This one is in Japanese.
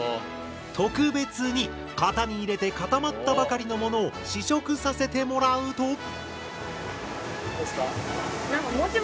特別に型に入れて固まったばかりのものを試食させてもらうと。